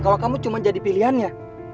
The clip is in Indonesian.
kalau kamu cuma jadi pilihannya